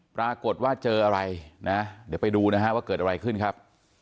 ปรากฏว่าเจออะไรนะเดี๋ยวไปดูนะฮะว่าเกิดอะไรขึ้นครับ